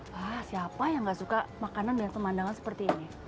wah siapa yang gak suka makanan dengan pemandangan seperti ini